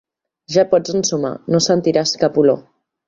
Ja pots ensumar: no sentiràs cap olor.